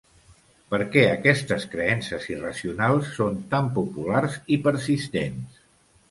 Per què aquestes creences irracionals són tan populars i persistents?